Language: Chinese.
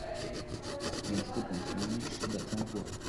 里斯本雄狮的称呼。